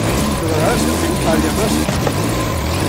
De vegades se'n diu àrea màssica.